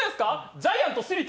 ジャイアントシリタ。